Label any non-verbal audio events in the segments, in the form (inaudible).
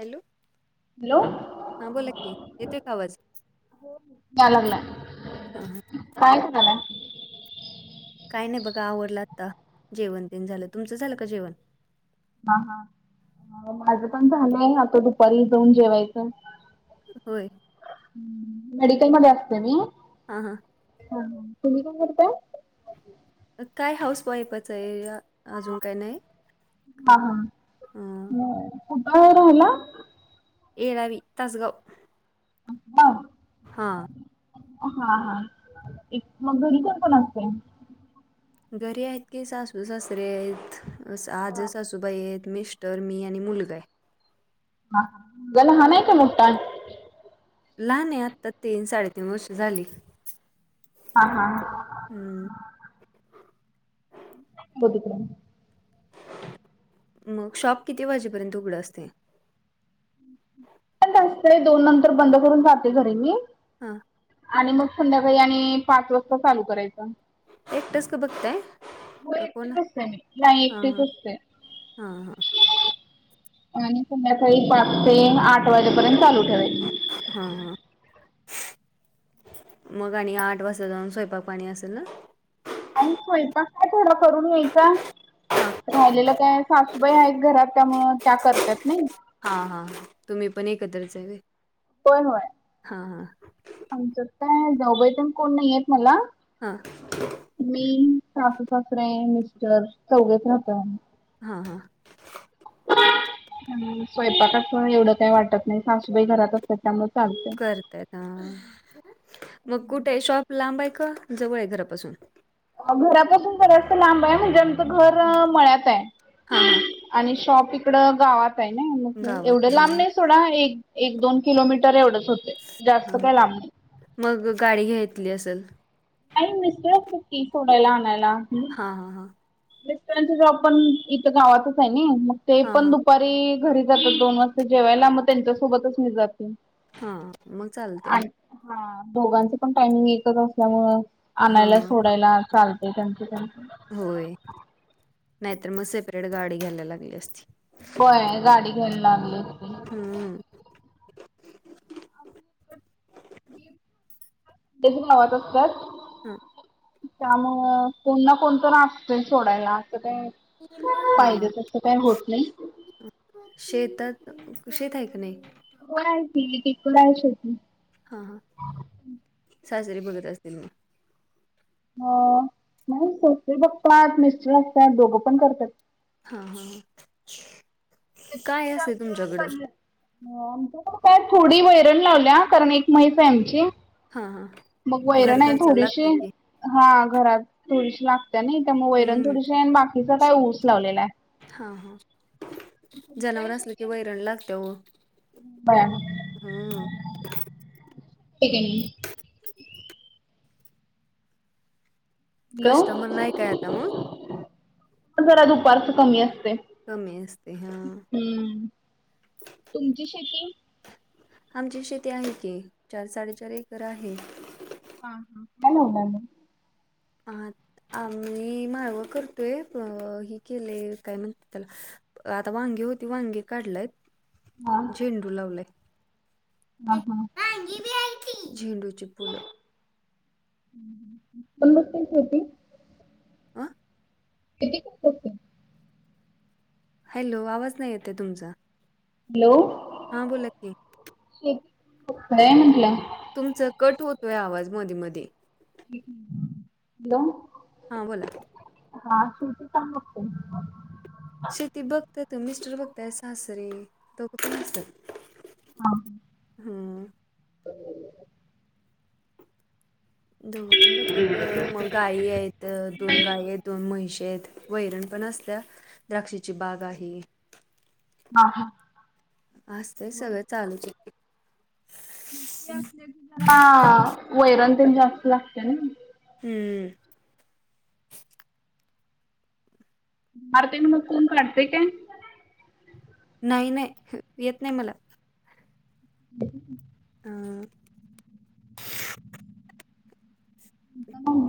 Hello hello हा बोला की, येतोय का आवाज? यालागलाय, हां हां काय करालाय? काय नाही बघा आवरल आता जेवण तेण झालं, तुमचं झालं का जेवण? हा हा माझं पण झालंय आता दुपारी जाऊन जेवायचं. होय. मेडिकल मध्ये असते मी, हा हां, हा, तुम्ही पण करताय? काय हाऊस वाईफचं आहे. अजून काय नाही? हा करत. हा, हां न कुठं आहे राहिला? येरावी तासगाव. गाव. हा, हा हा, एक मग घरी कोण कोण असते? घरी आहेत की, सासू सासरे आहेत. आज सासूबाई आहेत. मिस्ट र मी आणि मुलगा आहे. का याला हा नाही का मोट्टा? लहान आहे. आत्ता तीन साडेतीन वर्ष झाली. हा हा हा, हम्म, बघितरन मग शॉप किती वाजेपर्यत उघडं असते. असतेय दोन नंतर बंद करून जाते घरी मी. हा, आणि मग संध्याकाळी आणि पाच वाजता चालू करायचं. एक टेस्क का बघताय? हो का कोण एकटीच असते मी. नाही हां एकटीच असते. हां हां आणि संध्याकाळी पाच ते आठ वाजेपर्यत चालू ठेवायचं. हा हा, मग आणि आठ वाजता जाऊन स्वयंपाक पाणी असेल ना, (unintelligible) स्वयंपाक काय तेवढा करून यायचा. राहिलेलं काय सासूबाई आहेत घरात. त्यामुळं त्या करतात नाही. हा हा, तुम्ही पण एकत्रच आहे व्हय. होय होय. हां हां आमचं काय जाऊबाई त्यान कोण नाहीयेत मला. ह, (inaudible) मी, सासू-सासरे, मिस्टर चौघच राहतो आम्ही. हा हां, स्वयंपाकाचं एवढं काही वाटत नाही. सासूबाई घरात असतात त्यामुळे चालतंय. करतेत आ. मग कुठे आहे शॉप लांब आहे का जवळ आहे घरापासून. घरापासून बरचसं लांब आहे. म्हणजे आमचं घर मळ्यात आहे. हा हा, आणि शॉप इकडं गावात आहे न, गावात एवढे आहे हां लांब हां नाही. थोडा एक एक दोन किलोमीटर एवढंच होतय. जास्त हां हां त लांब नाही मग गाडी घेतली असलं. (unintelligible) सुट्टी सोडायला आणायला. हा हा हा, मिस्टरांचा जॉब पण इथं गावातच आहे ने मग ते हां पण हां दु दुपारी घरी जातात दोन वाजता जेवायला मग त्यांच्यासोबतच मी जाते. हा मग चालते. आणि हा दोघांच पण टायमिंग एकच असल्यामुळ आणायला हां सोडायला चालत. ते त्यांची त्यां होय. नाहीतर मग सेपरेट गाडी घ्यायला लागली असती. होय. गाडी घ्यायला लागली असती. हम्म. ते पण गावात असतात. हा. त्यामुळं कोण ना कोण तर असतंय सोडायला असं काय हां पाहिजेच असं काही होत नाही. शेतात, शेत आहे का नाही? हो आहे की (unintelligible) आहे शेती. हा हा, सासरे बघत असतील मग? हा नाही सासरे बघतात, मिस्टर असतात दोघं पण करतात. हा हा काय असते तुमच्याकडं? आमच्याकडं काय थोडी वैरण लावल्या, कारण एक म्हैस आहे आमची. हा हा. मग वैरण आहे थोडीशी. हा घरात थोडीशी लागत्या नाही का, मग वैरण हम्म थोडीशी आणि बाकीचा काय ऊस लावलेला आहे. हा हा तुमची जनावर आहे असलं की शेती? वैरण लागते ओ. (unintelligible) कस्टमर नाही काय आता मग? जरा दुपारचं कमी असतंय. कमी असते हा हम्म तुमची शेती? आमची शेती आहे की, चार साडेचार एकर आहे. हा हा, काय करताय मग? आ आम्ही मालवं करतोय, हि केले काय म्हणतेत त्याला आता वांगी होती वांगी काढलेत. हा. झेंडू लावलाय. हा ए हा वांगी बी हाय की, झेंडूची फुलं. (unintelligible) आ? किती (unintelligible) हॅलो आवाज नाही येत आहे तुमचा? हॅलो. हा बोला की. शेती (unintelligible) म्हंटलं? तुमचा कट होतोय आवाज मध्ये मध्ये. हॅलो. हां बोला. हा शेती (unintelligible) शेती बघतात मिस्टर बघतात, सासरे दोघं पण असतात. हा. हम्म. (inaudible) दोघं पण बघतात, मग गाई आहेत. दोन गाय आहेत, दोन म्हयशी आहेत, वैरण पण असत्या. द्राक्षीची बाग आहे. हा हा. असतंय सगळं चालूच आहे. (unintelligible) त्याला वैरण तेन जास्त लागते ना? हम्म. आरती आणि मग कोण काढतेय काय? नाही नाही येत नाही मला. (inaudible) अ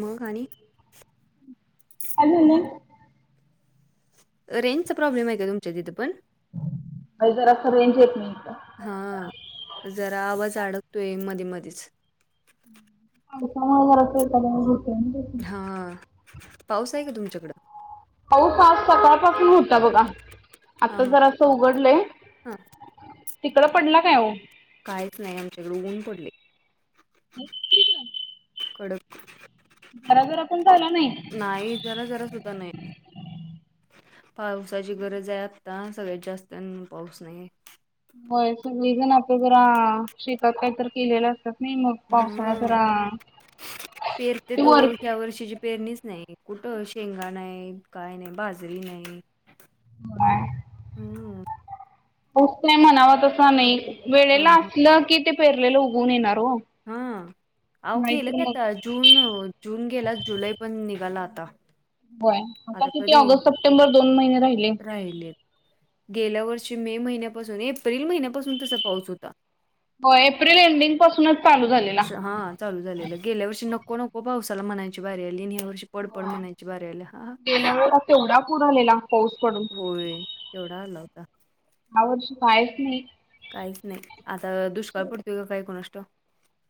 मग आणि! अजून नाही. रेंजचा प्रॉब्लेम आहे का तुमच्या तिथं पण? होय जरासं रेंज येत नाही. इथं. हां जरा आवाज अडकतोय मधे मधेच. अगं कवा आवरायचं आता जाऊन झोप हां पाऊस आहे का तुमच्याकडं? पाऊस आज पाऊस आज सकाळपासून होता बघा, हा आता हा जरासं उघडलंय. हा तिकडं पडला काय ओ? काहीच नाही आमच्या इकडं ऊन पडलेय. (inaudible) कडक जराजरा पण झाला नाही? नाही जरा जरा सुद्धा नाही. पावसाची गरज आहे आत्ता सगळ्यात जास्त, आणि पाऊस नाहीेये. होय सगळे जण आता जरा शेतात काहीतर केलेलं असतात नाही, मग पावसाळा हम्म. जरा, पेरते ते तो वर ह्या वर्षीची पेरणीच नाही कुठं शेंगा नाहीत, काय नाही, बाजरी नाही हम्म. पाऊस काय म्हणावा तसा नाही हा वेळेला हा. असलं की ते पेरलेलं उगवून येणार हो. हम्म आओ गेलं नाहीतर की मग आता जून जून गेला जुलै पण निघाला आता. होय आता किती ऑगस्ट, सप्टेंबर दोन महिने राहिले. राहिलेत. गेल्या वर्षी मे महिन्यापासून एप्रिल महिन्यापासून तसा पाऊस होता. हो एप्रिल एंडिंग पासूनच चालू झाले. हां चालू झालेलं गेल्या वर्षी नको नको पावसाला म्हणायची बारी आली आणि ह्या वर्षी पडपड म्हणायची बारी आल्या. केवढा पूर आलेला पाऊस पडून! होय केवढा आला होता. ह्या वर्षी कायच नाही. काहीच नाही आता दुष्काळ पडतोय का काय कुणास ठाऊक?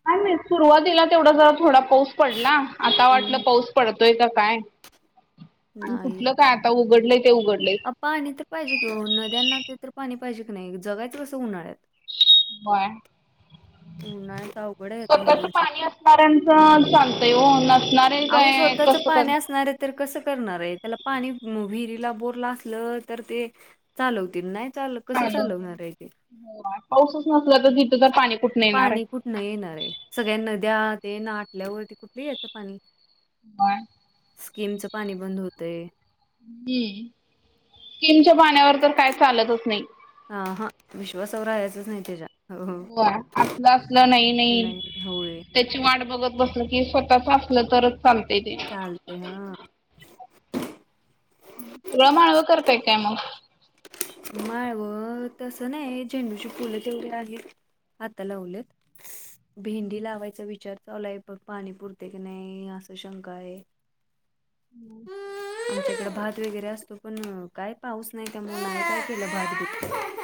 काय माहित सुरुवातीला तेवढा जरा थोडा पाऊस पडला आता वाटलं हम्म. पाऊस पडतोय का काय (inaudible) आणि नाही. कुठलं काय आता उघडलेय ते उघड अ पाणी तर पाहिजे कि ओ नद्यांना, ते तर पाणी पाहिजे की नाही जगायचं कसं उन्हाळ्यात? होय उन्हाळ्यात अवघड आहे आता ह्या वर्षी. असणाऱ्याचं चालतंय ओ नसणार अहो स्वतःच पाणी असणारे तर कसं करणार आहे त्याला पाणी विहिरीला बोरला असलं तर ते चालवतील नाही चाल कसं चालू होतंय चालवणार हाय ते. पाऊसच नसला तर तिथं तर पाणी कुठनं येणार पाणी आहे कुठनं येणार हाय, सगळ्या नद्या ते आटल्यावरती कुठलं यायचं पाणी. कोण (unintelligible) स्कीमचं पाणी बंद होतंय. हम्म, स्किमच्या पाण्यावर तर काय चालतच नाही. हा हा, विश्वासावर राहायचंच नाही त्यच्या. होय, असलं असलं नाही नाही. त्यची वाट बघत बसलं की स्वतःच असलं तरच चालतय ते. चालतय हां पुढंमागं करताय काय मग. माळवं तसं नाही, झेंडूची फुलं तेवढी आहेत आता लावल्यात. भेंडी लावायचा विचार चालुआय पण पाणी पुरतय की नाही असं शंका आय. हम्म. आमच्याकडे भात वगैरे असतो पण, काय पाऊस नाही त्यामुळं नाही केला भातभित.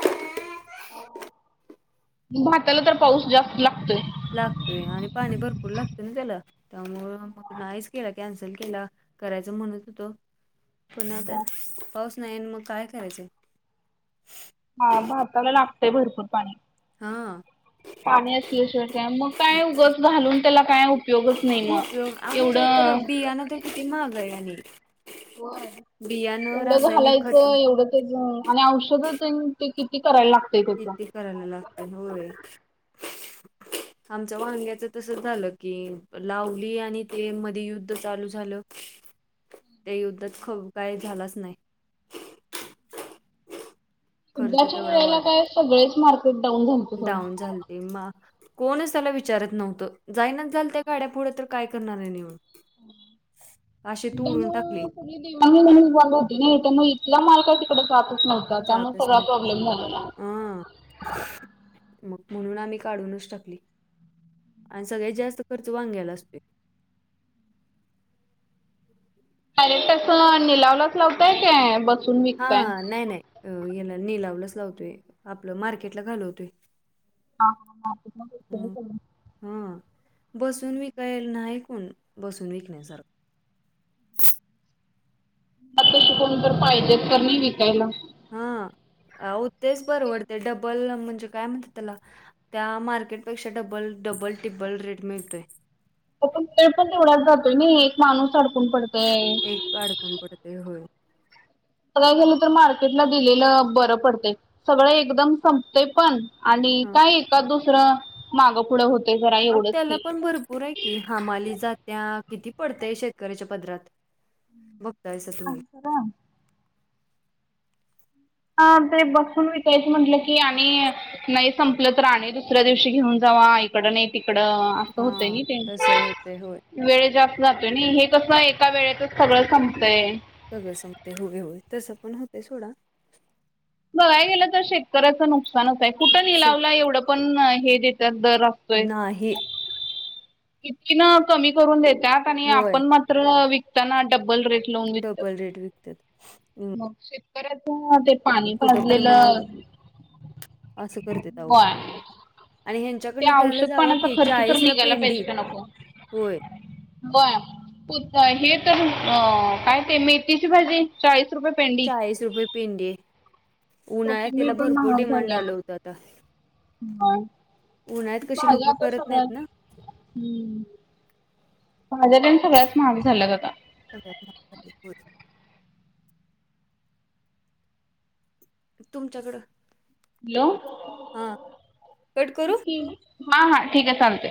भाताला तर पाऊस जास्त लागतोय. लागतोय आणि पाणी भरपूर लागतं ना त्याला, त्यामुळं मग नाहीच केला. कॅन्सल केला, करायच म्हणत हुतो, पुन्हा तर पाऊस नाही न मग काय करायचं. हा भाताला लागतय भरपूर पाणी. हा. पाणी असल्याशिवाय काय, मग काय उगच घालून त्याला काय उपयोगच नाही. मग. उपयोग, आणि काय तर एवढं बी किती महागाय आणि. होय, बियाणं एवढं रासायनिक खत घालायचं एवढं तेजं आणि औषधं तेन किती करायला लागत किती करायला लागतय, होय. (inaudible) आमच्या वाग्याचं तसंच झालं की,, लावली आणि ते मध्ये युद्ध चालू झालं त्या युद्धात खप काय झालाच नाही. खर्च युद्धाच्या तेवढा वेळेला वाढत काय सगळेच मार्केट डाऊन झालतं सोड. तेव्हा, कोणच त्याला विचारत नव्हतं, जायनाच झालत्या गाड्या पुुढं तर काय करणार आहे नीउन. टाकली त्यामुळं ती देवान घेवान बंद होती नाही त्यामुळं म इथला माल काय तिकडं जातच नव्ह ता, मग जातच सगळा नव्ह प्रॉब्लेम झाला ना. हा मग म्हणून आम्ही काढूनच टाकली. आणि सगळ्यात जास्त खर्च वांग्याला असतोय. डायरेक्ट असं निलावलाच लावताय का बस हा नाही नाही, याला निलावलंच लावतोय, आपलं मार्केटला घालवतोय. हा हा,. हा, बसून विकायला नाही कोण, बसून विकण्यासारखं. आता बसून जर पाहिजेत तर नाही विकायला. हा, हो तेच परवडतेय, डबल म्हणजे काय म्हण त्याला, त्या मार्केटपेक्षा डबल डबल टिब्बल रेट मिळतोय. पण वेळ पण तेवढाच जातोय ना एक माणूस अडकून पडतोय? काडकून पडते होय. काय गेलं तर मार्केटला दिलेलं बरं पडतेय सगळं एकदम संपतय पण आणि हां. काय एका दुसरं मागं पुढं होतय? जरा अ एवढंच त्याला की पण भरपूर आहे की. कि हामाली जात्या किती पडतय शेतकऱ्याच्या पदरात बघतायसा तुम्ही. खर अ ते बसून विकायचं म्हटलं की आणि नाही संपलं तर आणी दुसऱ्या दिवशी घेऊन जावा ऐक इकड नाही तिकडं अस होतय हां. नाई ते. तसं होतंय होय. वेळ जास्त जातोय नाही हे कस एका वेळेचच सगळं संपतय? सगळं संगते होय होय तसं पण होतेय सोडा. बघाय गेलं तर शेतकऱ्याचं नुकसानच आहे कुठं स- निलावला एवढं पण हे देतात दर. नाही. कितकी ना कमी करून देत्यात आणि होय. आपण मात्र विकताना डब्बल रेट लावून विकतो. डबल रेट विकत्यात. मग शेत कऱ्याच दे कुठ तर मग अस करतेत आहो होय आणि हे ते हेंनच्याकडन घ्यायला औषध जावा पाण्याचा की खर्च तर चाळीसला निघायला पेंडी होय. बर हे तर काय ते मेथीची भाजी चाळीस रुपये पेंडी. चाळीस रुपये पिंडी उन्हाळ्यात कोथिंबीर तीला पण भरपूर महाग डिमांड झाल्या आलं होत आता होय उन्हाळ्यात कशी भाज्या लोक आता करत सगळ्याच नाहीत ना? हम्म. भाज्या तेन सगळ्याच महाग झाल्यात आता? सगळ्यात महाग झाल्यात होय. तुमच्याकडं. हॅलो! हा कट करू? ह हा ठीक आहे चालतय.